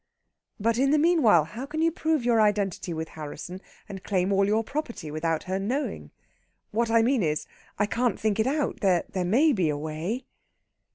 "But, in the meanwhile, how can you prove your identity with Harrisson and claim all your property without her knowing?... What I mean is, I can't think it out. There may be a way...."